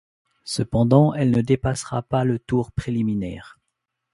Cependant, elle ne dépassera pas le tour préliminaire.